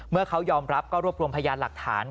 เมื่อเขายอมรับก็รวมพยานหลักฐาน